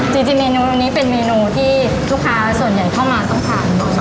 จริงเมนูนี้เป็นเมนูที่ลูกค้าส่วนใหญ่เข้ามาต้องทาน